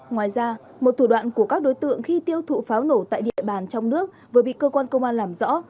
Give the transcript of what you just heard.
ngoài ra một thủ đoạn của các đối tượng khi tiêu thụ pháo nổ tại địa bàn trong nước vừa bị cơ quan công an làm rõ